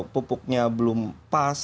pupuknya belum pas